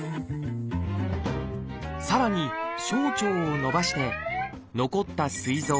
さらに小腸を伸ばして残ったすい臓